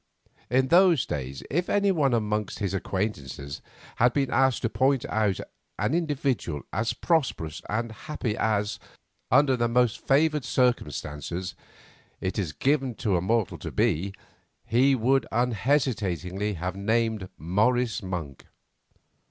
In those days, if anyone among his acquaintances had been asked to point out an individual as prosperous and happy as, under the most favoured circumstances, it is given to a mortal to be, he would unhesitatingly have named Morris Monk.